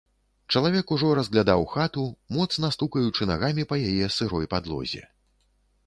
Чалавек ужо разглядаў хату, моцна стукаючы нагамі па яе сырой падлозе.